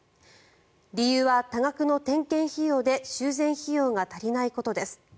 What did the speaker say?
理由は多額の点検費用で修繕費用が足りないことです。